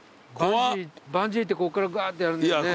バンジーってこっからぐわーってやるんだよね。